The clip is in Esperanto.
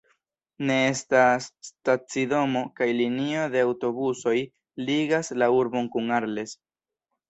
Ne estas stacidomo, kaj linio de aŭtobusoj ligas la urbon kun Arles.